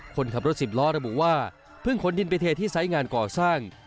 คนขับรถสิบล้อระบุว่าเพิ่งขนดินไปเทที่ไซส์งานก่อสร้าง